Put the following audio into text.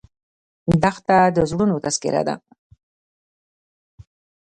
دښته د زړونو تذکره ده.